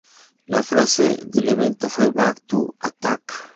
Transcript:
La frase del evento fue "Back to Attack".